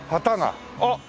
あっ！